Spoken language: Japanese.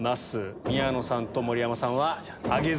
宮野さんと盛山さんは挙げず。